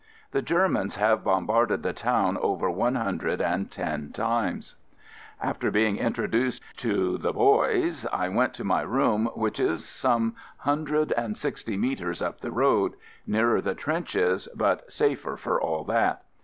The Germans have bombarded the town over one hundred and ten times. 4 AMERICAN AMBULANCE After being introduced to the "boys," I went to my room which is some one hun dred and sixty metres up the road — nearer the trenches, but safer for all that.